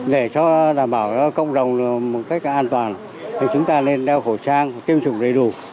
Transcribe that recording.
để cho đảm bảo cho cộng đồng một cách an toàn thì chúng ta nên đeo khẩu trang tiêm chủng đầy đủ